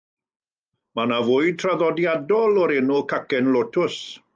Mae yna fwyd traddodiadol o'r enw "cacen lotws".